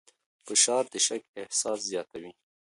فشار د شک احساس زیاتوي.